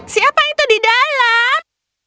siapa itu di dalam